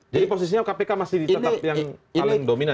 jadi posisinya kpk masih ditetap yang paling dominan